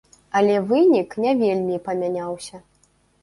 Але вынік не вельмі памяняўся.